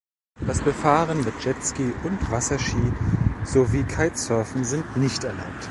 Das Befahren mit Jetski und Wasserski sowie Kitesurfen sind nicht erlaubt.